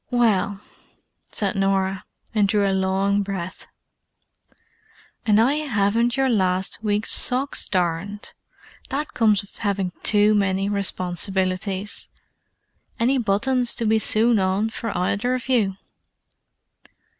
"Well——" said Norah; and drew a long breath. "And I haven't your last week's socks darned! That comes of having too many responsibilities. Any buttons to be sewn on for either of you?"